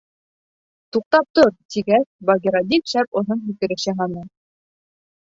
— Туҡтап тор, — тигәс, Багира бик шәп оҙон һикереш яһаны.